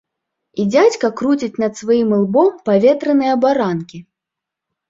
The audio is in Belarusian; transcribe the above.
І дзядзька круціць над сваім ілбом паветраныя абаранкі.